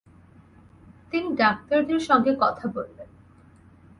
তিনি ডাক্তারদের সঙ্গে কথা বললেন।